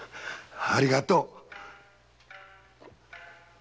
ありがとう！